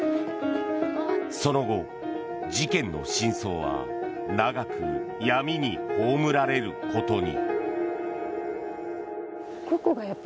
その後、事件の真相は長く闇に葬られることに。